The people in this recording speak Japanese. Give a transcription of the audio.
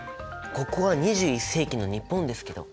ここは２１世紀の日本ですけど？